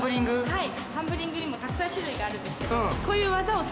はい。